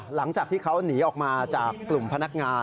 หลังจากที่เขาหนีออกมาจากกลุ่มพนักงาน